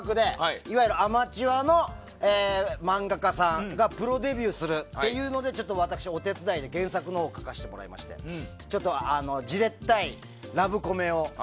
いわゆるアマチュアの漫画家さんがプロデビューする際に私、お手伝いで原作を書かせていただいてじれったいラブコメを。